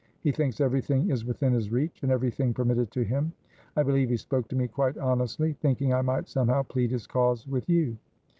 He thinks everything is within his reach, and everything permitted to him. I believe he spoke to me quite honestly, thinking I might somehow plead his cause with you."